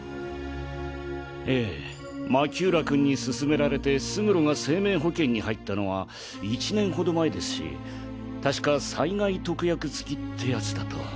ええ巻浦君に勧められて勝呂が生命保険に入ったのは１年ほど前ですし確か災害特約付きってやつだと。